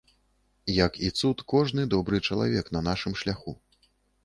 Як і цуд кожны добры чалавек на нашым шляху.